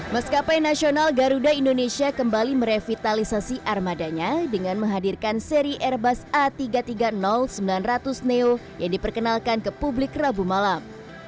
maskapai nasional garuda indonesia kembali merevitalisasi armadanya dengan menghadirkan seri airbus a tiga ratus tiga puluh sembilan ratus neo yang diperkenalkan ke publik rabu malam